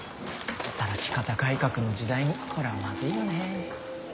働き方改革の時代にこれはまずいよね。